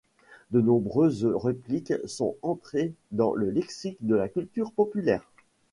De nombreuses répliques sont entrés dans le lexique de la culture populaire.